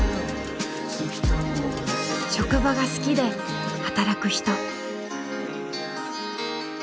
職場が好きで働く人。